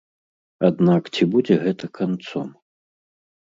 Аднак ці будзе гэта канцом?